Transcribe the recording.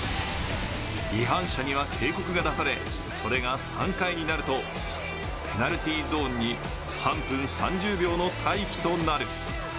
違反者には警告が出されそれが３回になるとペナルティゾーンに３分３０秒の待機となる。